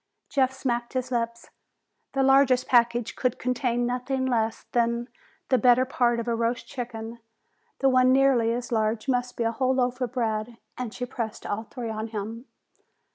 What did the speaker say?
Jeff smacked his lips. The largest package could contain nothing less than the better part of a roast chicken, the one nearly as large must be a whole loaf of bread, and she pressed all three on him.